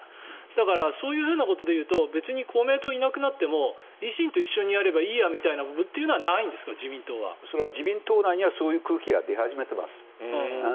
だから、そういうことでいうと別に公明党がいなくなっても維新と一緒にやればいいやみたいなのはないんですか自民党内には。それは自民党内にはそういう空気が出始めています。